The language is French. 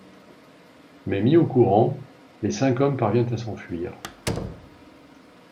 Mais, mis au courant, les cinq hommes parviennent à s'enfuir.